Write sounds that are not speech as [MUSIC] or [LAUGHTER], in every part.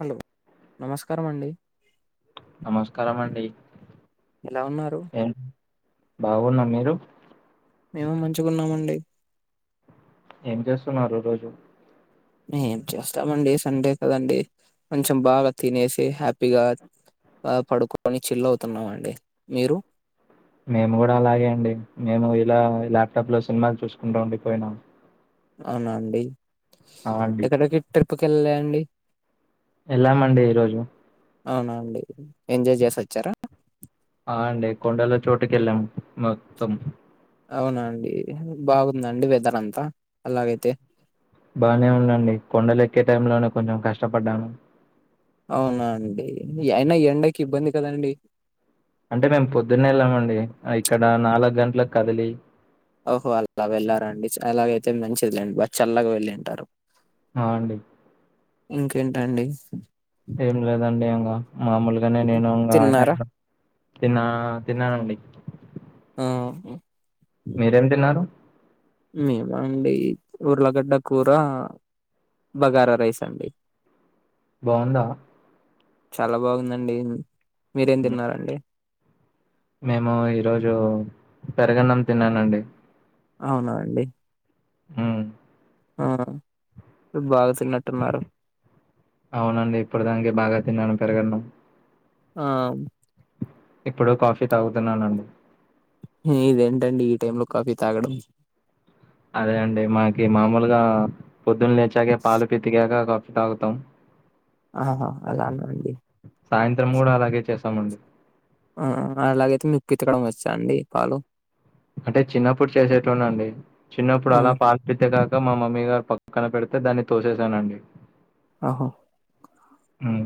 Hello నమస్కారం అండి నమస్కారం అండి ఎలా ఉన్నారు ఏం బాగున్నా మీరు మేము మంచిగా ఉన్నామండి ఏం చేస్తున్నారు రోజు ఏం చేస్తామండి సండే కదండి కొంచెం బాగా తినేసి హ్యాపీగా బా పడుకొని చిల్ అవుతున్నామండి మీరు మేము కూడా అలాగే అండి మేము ఇలా ఇలా ల్యాప్టాప్ లో సినిమాలు చూసుకుంటా ఉండిపోయినాం అవునా అండి ఆ అండి ఎక్కడికి ట్రిప్ కి వెళ్ల ఎల్లే అండి ఎల్లమండి ఈరోజు అవునా అండి ఎంజాయ్ చేసి వచ్చారా హా అండి కొండలో చోటుకి వెళ్ళాం మొత్తం అవునా అండి బాగుందండి వెదర్ అంతా అలాగైతే బాగానే ఉందండి కొండలు ఎక్కే టైంలోనే కొంచెం కష్టపడ్డాను అవునా అండి అయినా ఈ ఎండకి ఇబ్బంది కదండి అంటే మేము పొద్దున్నే వెళ్ళామండి ఇక్కడ నాలుగ గంటలకి కదిలి ఓహో అలా వెళ్ళారండి అలాగైతే మంచిదిలేండి బా చల్లాగా వెళ్ళి ఉంటారు ఆ అండి ఇంకేంటండి ఏం లేదండి ఇంకా మామూలుగానే నేను ఇంగా తిన్నారా తిన్నా తిన్నానండి ఆ మీరేం తిన్నారు మీమా అండి ఊర్లగడ్డ కూర బగారా రైస్ అండి బాగుందా చాలా బాగుందండి మీరేం తిన్నరండి మేము ఈరోజు పెరగన్నం తిన్నానండి అవునా అండి ఉ ఆ ఉబ్ బాగా తిన్నట్టున్నారు అవునండి ఇప్పుడు దానికి బాగా తిన్నాను పెరుగు అన్నం ఆ ఇప్పుడు కాఫీ తాగుతున్నాన్ ఇదేంటండి ఈ టైమ్ లో కాఫీ తాగడం అదే అండి మనకి మామూలుగా పొద్దున్నే లేేచ్చాక పాలు పితిగాక కాఫీ తాగుతాం ఆహా అలానా అండి సాయంత్రం కూడా అలాగే చేసామండి ఆ అలాగైతే మీకు పితకడం వచ్చా అండి పాలు అంటే చిన్నప్పుడు చేసేటోడిని అండి చిన్నప్పుడు అలా హ్మ్. పాల్ పితి గాక మా మమ్మీ గారు పక్కన పెడితే దాన్ని తోసేసానండి ఆ హో ఉమ్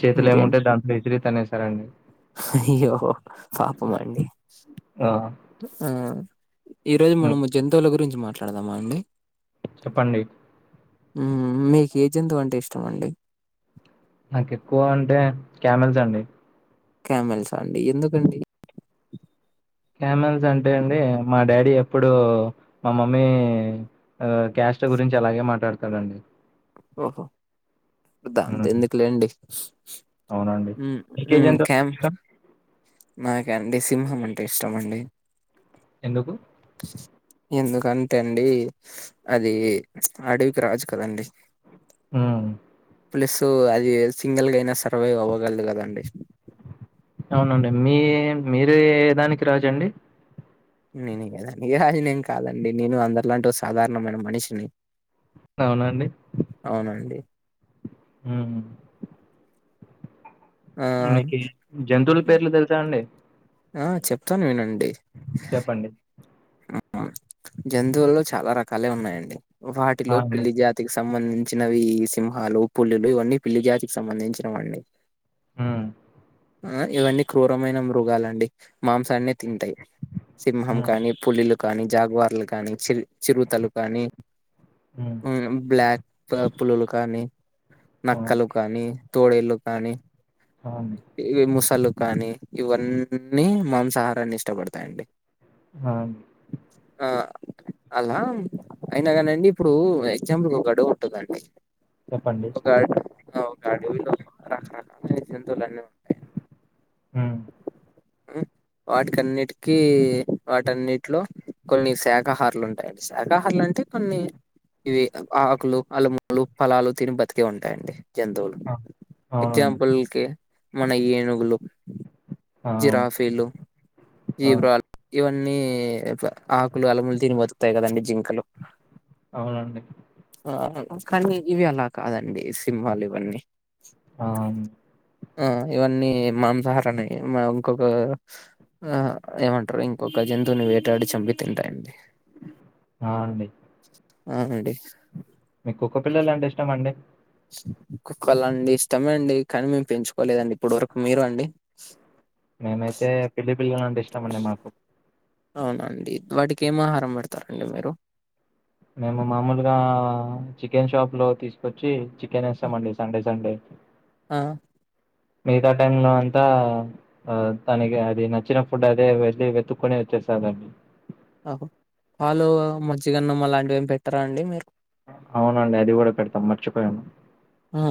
చేతులో ఏముంటే ఇంకేంటి దాంట్లో విసిరి తనేసారండి అయ్యో పాపం అండి ఆ ఊ ఈ రోజు హ్మ్ మనము జంతువుల గురించి మాట్లాడదామా అండి చెప్పండి ఉమ్ మీకు ఏ జంతువు అంటే ఇష్టం అండి నాకు ఎక్కువ అంటే క్యామెల్స్ అండి కామెల్స్ ఆ అండి ఎందుకండి కామెల్స్ అంటే అండి మా డాడీ ఎప్పుడు మా మమ్మీ ఆ క్యాస్ట్ గురించి అలాగే మాట్లాడతాడండి ఓహో దాంతో హ్మ్. ఎందుకులేండి అవునండి. ఉమ్ మీకే ఊ జంతువు కామ్ అంటే ఇష్టం? నాకా అండి సింహం అంటే ఇష్టం అండి ఎందుకు ఎందుకంటే అండి అది అడవికి రాజు కదండి ఊ ప్లస్ అది సింగల్ గా అయినా సర్వైవ్ అవ్వగలదు కదండి అవునండి మీ మీరు ఏ దానికి రాజండి నేని కదా [UNINTELLIGIBLE] అది నేను కాదండి నేను అందరిలాంటి ఓ సాధారణమైన మనిషిని అవునా అండి అవునండి ఊ ఆ మీకి జంతువుల పేర్లు తెలుసా అండి ఆ చెప్తాను వినండి చెప్పండి జంతువులో చాలా రకాలే ఉన్నాయండి ఆ! వాటిలో అండి. పిల్లి జా తికి సంబంధించినవి సింహాలు పులులు ఇవన్నీ పిల్లి జాతికి సంబంధించినవండి హ ఆ ఇవన్నీ క్రూరమైన మృగాలండి మాంసాన్నే తింటాయి సింహం హ్మ్. కానీ పులిలు కానీ జాగ్వార్లు కానీ చిల్ చిరుతలు కానీ హ్మ్. ఊ బ్లాక్ పులులు కానీ అవును. నక్కలు కానీ తోడేళ్లు కానీ అ అండి ఇవి ముసళ్ళు కానీ ఇవన్నీ మాంసాహారాన్ని ఇష్టపడతాయండి హవును ఆ అలా అయినా కానీ అండి ఇప్పుడు ఎగ్జాంపుల్ ఒక అడువి ఉంటుందండి చెప్పండి. ఒక అడు ఆ ఒక అడవి లో రకరకాల జంతువులన్నీ ఉంటాయి ఊ వాటికన్నిటికి వాటన్నిటిలో కొన్ని శాఖహారులు ఉంటాయండి శాఖహారులు అంటే కొన్ని ఇవి ఆకులు అల్లుములు ఫలాలు తిని బతికేవి ఉంటాయండి జంతువులు ఆ! అవునండి. ఎగ్జాంపుల్ కి మన ఏనుగులు ఆ! అవును. జిరాఫీలు అవును. జీవ్రాలు ఇవన్నీ ఇట్ల ఆకులు అలములు తిని బతుకుతాయి కదండి జింకలు అవునండి ఆ కానీ ఇవి అలా కాదండి సింహాలు ఇవన్నీ అవు ఆ ఇవన్నీ మాంసాహారన్ని మా ఇంకొక ఆ ఏమంటారు ఇంకొక జంతువుని వేటాడి చంపి తింటాయండి ఆ అండి అవునండి మీకు కుక్క పిల్లలు అంటే ఇష్టంమండి కుక్కల అండి ఇష్టమే అండి కానీ మేము పెంచుకోలేదండి ఇప్పటి వరకు మీరు అండి మేమైతే పిల్లి పిల్లలు అంటే ఇష్టామండి మాకు అవునండి వాటికి ఏం ఆహారం పెడతారండి మీరు మేము మామూలుగా చికెన్ షాప్ లో తీసుకొచ్చి నేస్తమండి సండే సండే ఆ మిగతా టైమ్ లో అంతా ఆ తనకి అది నచ్చిన ఫుడ్ అదే వెళ్ళి వెతుకొని వచ్చేస్తదండి అహో పాలు మజ్జిగన్నం అలాంటివి ఏమీ పెట్టరా అండి మీరు అవునండి అది కూడ పెడతాం మర్చిపోయాము ఆ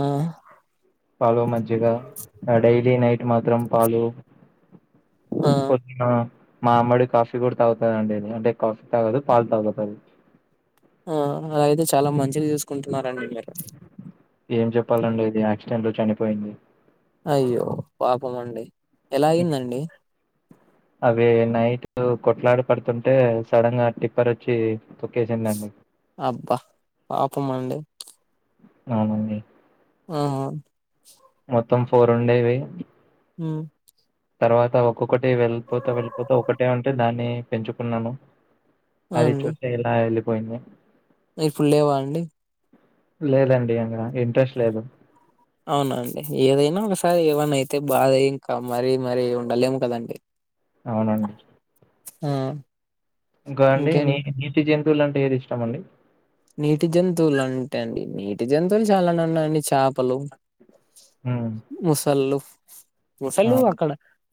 పాలు మజ్జగా ఆ డైలీ నైట్ మాత్రం పాలు. ఆ [UNINTELLIGIBLE] మా అమ్మడి కాఫీ కూడ తాగుతతుద అండిది అంటే కాఫీ తాగదు పాలు తాగుతది ఆ అల అయితే చాలా మంచి చూసుకుంటున్నారండి మీరు ఏం చెప్పాలండి ఇది యాక్సిడెంట్ లో చనిపోయింది అయ్యో పాపం అండి ఎల అయిందండి. అవి నైట్ కొట్లాడు పడుతుంటే సడన్ గా టిప్పర్ వచ్చి తొక్కేసిందండి అబ్బ పాపమండి అవునండి ఆహ మొత్తం ఫోర్ ఉండేవి హు తర్వాత ఒక్కొక్కటి వెళ్ళిపోత వెళ్ళిపోత ఒకటే ఉంటే దాన్ని పెంచుకున్నాను ఆ అది అండి చూసే ఇలా ఎళ్ళిపోయింది [UNINTELLIGIBLE] లేవా అండి లేదండి ఇంగ ఇంట్రెస్ట్ లేదు అవునండి ఏదైన ఒకసారి [UNINTELLIGIBLE] అయితే బాధ ఇంకా మరీ మరీ ఉండలేము కదండి అవునండి ఆ ఇంకా అండి ఇంకేం నీ నీటి జంతువులు అంటే ఏది ఇష్టమండి నీటి జంతువులు [UNINTELLIGIBLE] అండి నీటి జంతువులు చాలానే ఉన్నాయండి చపలు హ్మ్. ముసలు ఆ! ముసలు అండి. అక్కడ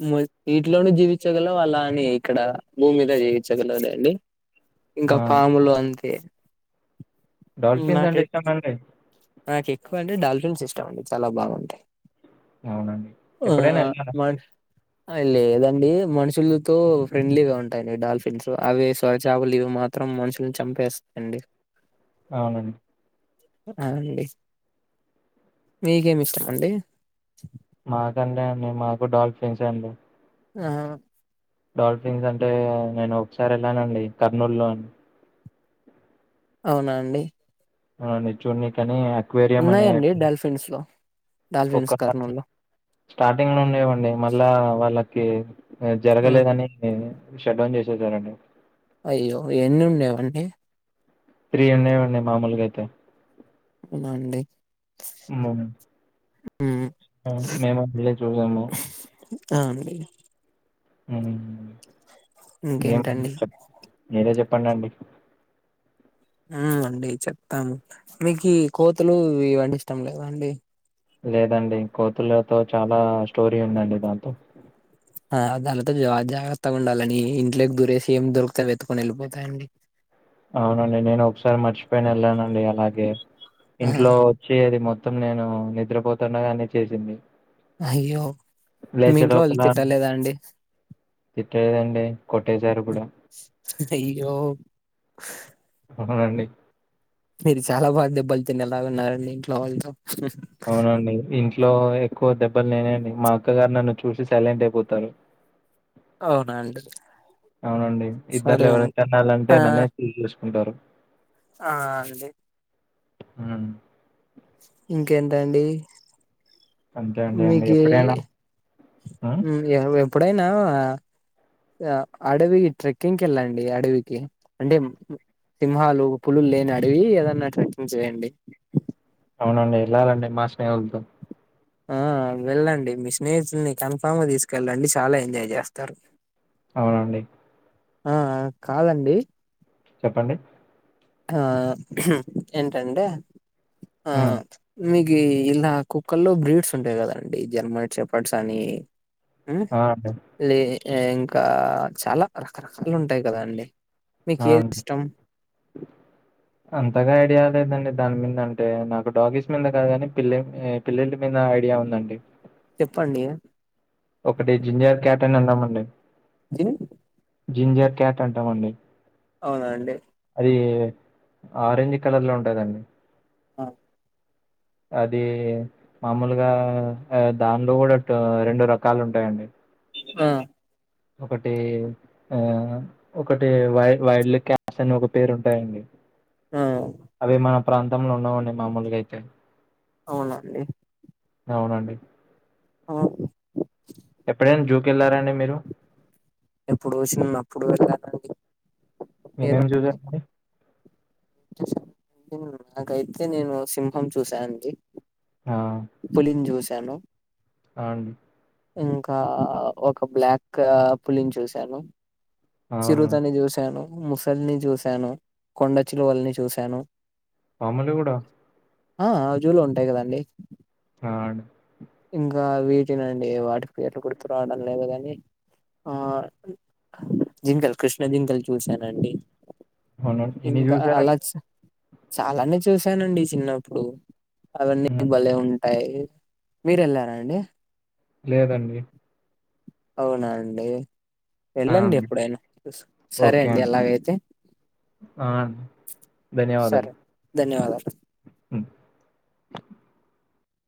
ము నీట్లోనే జీవించగలవు అలా అని ఇక్కడ భూమి మీద జీవించగలదండి ఇంక ఆ! పాములు అంతే డాల్ఫిన్స్ నాకై అంటే ఇష్టామండి నాకు ఎక్కువ అంటే డాల్ఫిన్స్ ఇష్టం అండి చాల బాగుంటాయి అవునండి. ఆ ఎప్పుడైనా ఎళ్ళారా? లేదండి మనుషులతో ఫ్రెండ్లీగ ఉంటా [UNINTELLIGIBLE] డాల్ఫిన్స్ అవి స్వరచాపలు ఇవి మాత్రం మాత్రరం మనుషులను చంపేస్తాండి అవునం అండి మీకేమి ఇష్టమండి మాకండి అంటే మాకు డాల్ ఫ్రెన్డ్స్ అండి ఆ డోల్ఫిన్స్ అంటే నేను ఒకసారి వెళ్ళానండి కర్నూలులో అవునా అండి ఆ ని చూడిని కాని ఉన్నాయండి డాల్ఫిన్సు ఒక స స్టార్టింగ్లో ఉండేవ్వండి మళ్ళా వాళ్ళకి ఈ ఆ జరగలేదని ని షట్డౌన్ చేసేసారండి అయ్యో ఎన్ని ఉండేవుండేవి అన్ని త్రీ ఉన్నాయే ఉన్నాయి మామూలుగా అయితే అవునండి హ్మ్. హ్మ్ మేము వెళ్లి చూసాము ఆ అండి హ్మ్ ఇంకేంటండి మీరే చెప్పండి అండి హ్మ్ అండి చెప్తాము మీకు కోతులు ఇవి వంటి ఇష్టం లేదాండి లేదండి కోతులతో చాలా స్టోరీ ఉందండి దాంతో ఆ గాలతోటి జాగ్రత్తగా ఉండాలని ఇంట్లోకి దురేసి ఏం దొరుకుతే అవి ఎత్తుకొని వెళ్ళిపోతాయండి అవునండి నేను ఒకసారి మర్చిపోయిన వెళ్ళానండి అలాగే ఆహా ఇంట్లో చేయది మొత్తం నేను నిద్రపోతుండగా అన్ని చేసింది అయ్యో మీ ఇంట్లోవాళ్ళు తిట్టలేదా అండి తిట్టదండి కొట్టేశారు కూడా అయ్యో అవునండి మీరు చాలా బాగా దెబ్బలు తినేలాగా ఉన్నారండి ఇంట్లో వాళ్ళతో అవునండి ఇంట్లో ఎక్కువ దెబ్బలు నేనెండి మా అక్క గారు నన్ను చూసి సైలెంట్ అయిపోతారు అవునా అండి అవునండి సరే ఇద్దరిలో అండి ఎవరు తన్నలంటే ఆ నన్నే ఇగ ఏసుకుంటారు ఆ అండి హ్మ్ ఇంకేంటి అండి అంతే అండి. ఇంగ మీకీ ఎప్పుడైనా హ్మ్. ఎప్పుడైనా అడవి ట్రెక్కింగ్కి ఎళ్ళండి అడవికి అంటే సింహాలు పులులు లేని అడివి ఏదన్నా ట్రెక్కింగ్ చేయండి అవునండి వెళ్ళాలండి మా స్నేహితులతో ఆ వెళ్ళండి మీ స్నేహితుల్ని కన్ఫామ్ గా తీసుకెళ్ళండి చాలా ఎంజాయ్ చేస్తారు. అవునండి ఆ అ కాదండి చెప్పండి ఆ హుం ఏంటంటే ఆ హ్మ్. మీకు ఇలా కుక్కల్లో బ్రీడ్స్ ఉంటాయి కదండి జర్మ చెప్పట్స్ అని హ్మ్ ఆ! అండి. లే ఇంకా చాలా రకరకాలు ఉంటాయి కదా అండి ఆ అంతగా ఐడియా లేదండి దాన్ని మీద అంటే నాకు డాగీస్ మీద కాదు కాని పిల్లి ఏ పిల్లిల మీద ఐడియా ఉందండి చెప్పండి ఒకటి జింజర్ క్యాట్ అని అన్నాం అండి జిన్ జింజర్ క్యాట్ అంటాం అండి అవునా అండి అది ఆరెంజ్ కలర్ లో ఉంటదండి ఆ అది మామూలుగా దానిలో కూడా రెండు రకాలు ఉంటాయండి ఆ ఒకటి ఆ ఒకటి వై వైల్డ్ క్యాట్ అని ఒక పేరు ఉంటాయండి ఆ, అవి మన ప్రాంతంలో ఉండవండి మామూలుగా అయితే అవునండి అవునండి ఆ ఎప్పుడైనా జూ కి వాళ్ళారా అండి మీరు ఎప్పుడో చిన్నఅప్పుడు వేళ్ళను అండి ఏమేమి చూశారండి చూసా నాకైతే నేను సింహం చూసాను అండి ఆ పులిని చూశాను అండి ఇంకా ఒక బ్లాక్ పులిని చూశాను అవునండి చిరుతని చూశాను ముసలిని చూశాను కొండచిలువల్ని చూశాను పామలు కూడా ఆ జూలో ఉంటాయి కదండి ఆ అండి ఇంకా వీటినండి వాటికి పేర్లు గుర్తు రావడం లేదు కాని ఆ జింకల్ కృష్ణ జింకలు చూసానండి అవునండి ఎన్ని ఇంకా అలా చూసారండి చాలానే చూసానండి చిన్నప్పుడు అవన్నీ ఉమ్, భలే ఉంటాయి మీరు వెళ్లారా అండి లేదండి అవునా అండి ఆ వెళ్ళండి అండి ఎప్పుడైనా చూ సరే అండి ఎలాగైతే ఆ ధన్యవాదాలు సరే ధన్యవాదాలు ఉమ్.